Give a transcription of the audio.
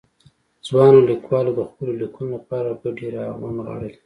ځوانو ليکوالو د خپلو ليکنو لپاره بډې را ونغاړلې.